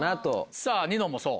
さぁニノもそう？